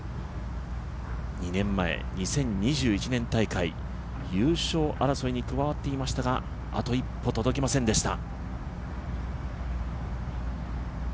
２年前、２０２１年大会、優勝争いに加わっていましたがあと一歩届きませんでした。